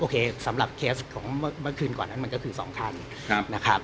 สำหรับเคสของเมื่อคืนก่อนนั้นมันก็คือ๒คันนะครับ